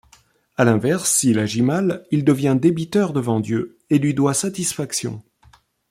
À l'inverse, s'il agit mal, il devient débiteur devant Dieu et lui doit satisfaction.